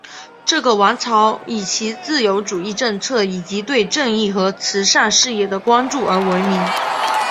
这个王朝以其自由主义政策以及对正义和慈善事业的关注而闻名。